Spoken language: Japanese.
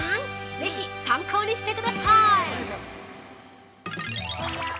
ぜひ参考にしてくださーい。